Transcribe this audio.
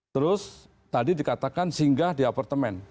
terus tadi dikatakan singgah di apartemen